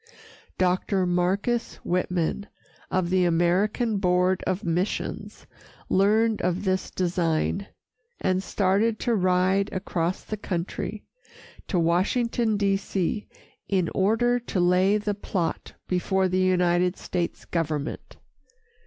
Dr. Marcus Whitman, of the American Board of Missions, learned of this design, and started to ride across the country to Washington, D. C., in order to lay the plot before the United States government.